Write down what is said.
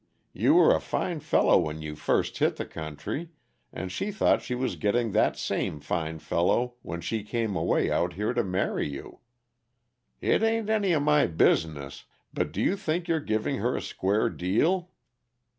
You were a fine fellow when you first hit the country and she thought she was getting that same fine fellow when she came away out here to marry you. It ain't any of my business but do you think you're giving her a square deal?"